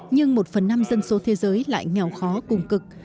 nhưng một phần năm dân số thế giới lại nghèo khó cùng cực